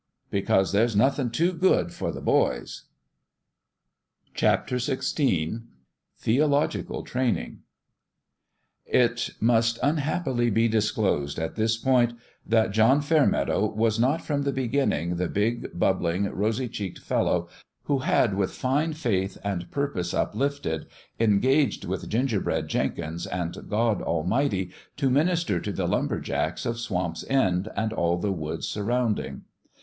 "Because there's nothin' too good for the boys." XVI THEOLOGICAL TRAINING IT must unhappily be disclosed at this point that John Fairmeadow was not from the beginning the big, bubbling, rosy cheeked fellow who had with fine faith and purpose up lifted engaged with Gingerbread Jenkins and God Almighty to minister to the lumber jacks of Swamp's End and all the woods surrounding.